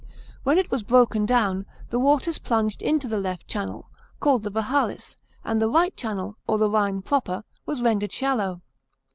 When it was broken down, the waters plunged into the left channel, called the Vahalis, and the right channel, or the Rhine proper, was rendered shallow.